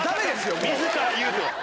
自ら言うとは。